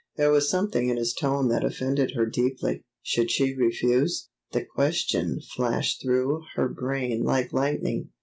There was something in his tone that offended her deeply. Should she refuse? The question flashed through her brain like lightning.